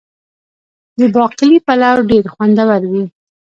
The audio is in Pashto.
د باقلي پلو ډیر خوندور وي.